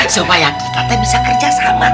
supaya kita teh bisa kerja sama